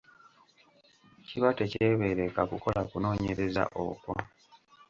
Kiba tekyebeereka kukola kunooyereza okwo.